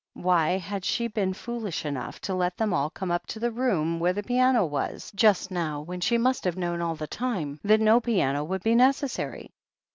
Why had she been foolish enough to let them all come up to the room where the piano was, just now, when she must have known all the time that no piano would be necessary